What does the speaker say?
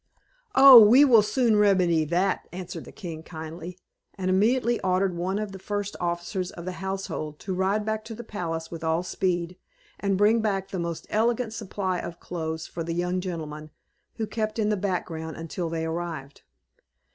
"Oh, we will soon remedy that," answered the king, kindly; and immediately ordered one of the first officers of the household to ride back to the palace with all speed, and bring back the most elegant supply of clothes for the young gentleman, who kept in the background until they arrived.